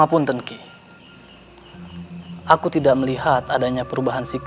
dilakukan orang lainnya dan kemudian saya mencari paman yang bisa mencari paman yang bisa mencari